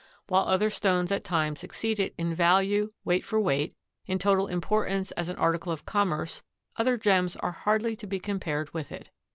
While other stones at times exceed it in value, weight for weight, in total importance as an article of commerce other gems are hardly to be compared with it.